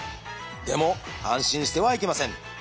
でも安心してはいけません。